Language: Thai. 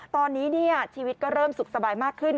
ตอนนี้ชีวิตก็เริ่มสุขสบายมากขึ้น